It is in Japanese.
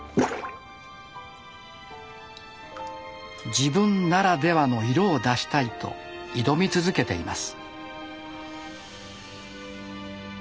自分ならではの色を出したいと挑み続けています。